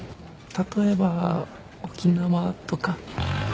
例えば沖縄とか。